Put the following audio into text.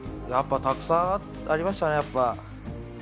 やっぱたくさんありましたね、やっぱ。